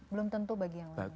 belum tentu bagi yang lain